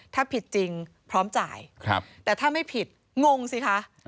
ถ้าผิดจริงพร้อมจ่ายแต่ถ้าไม่ผิดงงสิคะ